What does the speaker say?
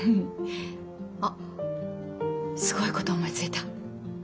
あっすごいこと思いついた。